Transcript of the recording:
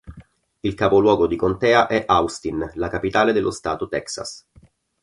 Il capoluogo di contea è Austin, la capitale dello Stato Texas.